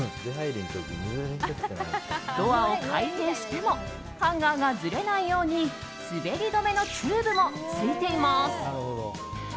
ドアを開閉してもハンガーがずれないように滑り止めのチューブもついています。